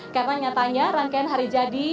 karena nyatanya rangkaian hari jadi